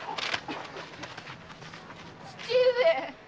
父上。